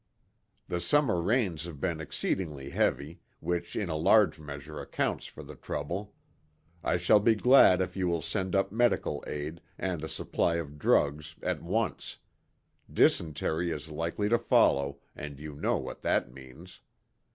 The summer rains have been exceedingly heavy, which in a large measure accounts for the trouble. I shall be glad if you will send up medical aid, and a supply of drugs, at once. Dysentery is likely to follow, and you know what that means.